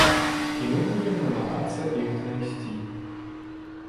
І мы будзем намагацца іх знайсці.